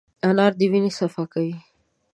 انار د وینې صفا کوي.